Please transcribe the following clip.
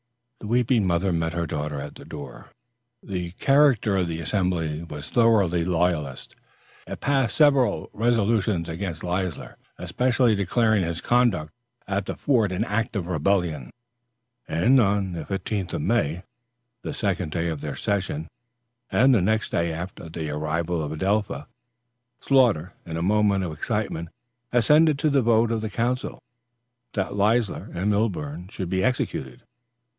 The weeping mother met her daughter at the door. The character of the assembly was thoroughly royalist. It passed several resolutions against Leisler, especially declaring his conduct at the fort an act of rebellion, and on the 15th of May, the second day of their session and the next after the arrival of Adelpha, Sloughter, in a moment of excitement, assented to the vote of the council, that Leisler and Milborne should be executed.